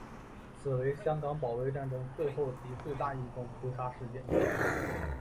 此为香港保卫战中最后及最大一宗屠杀事件。